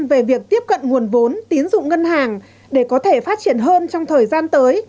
về việc tiếp cận nguồn vốn tín dụng ngân hàng để có thể phát triển hơn trong thời gian tới